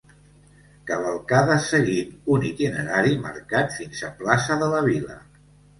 Cavalcada seguint un itinerari marcat fins a plaça de la vila.